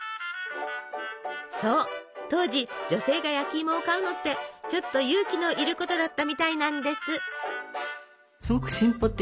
そう当時女性が焼きいもを買うのってちょっと勇気のいることだったみたいなんです。